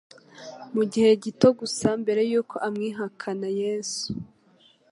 Mu gihe gito gusa mbere y'uko amwihakana Yesu